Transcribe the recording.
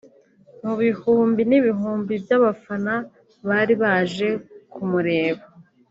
Mu bihumbi n’ibihumbi by’abafana bari baje kumureba